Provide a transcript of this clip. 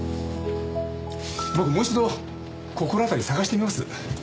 僕もう一度心当たり探してみます。